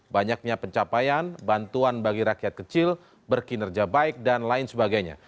banyaknya pencapaian bantuan bagi rakyat kecil berkinerja baik dan lain sebagainya